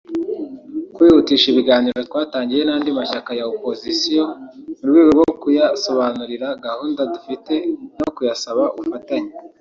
Kwihutisha ibiganiro twatangiye n’andi mashyaka ya Opozisiyo mu rwego rwo kuyasobanurira gahunda dufite no kuyasaba ubufatanye